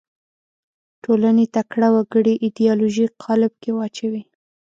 ټولنې تکړه وګړي ایدیالوژیک قالب کې واچوي